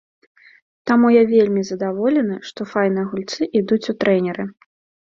Таму я вельмі задаволены, што файныя гульцы ідуць у трэнеры.